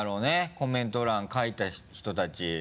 コメント欄書いた人たち。